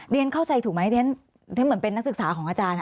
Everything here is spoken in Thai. เรียนเข้าใจถูกไหมเรียนเหมือนเป็นนักศึกษาของอาจารย์